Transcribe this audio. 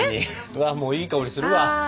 うわもういい香りするわ！